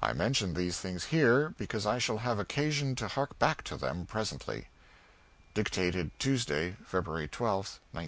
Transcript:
I mention these things here because I shall have occasion to hark back to them presently. [_Dictated Tuesday, February 12, 1907.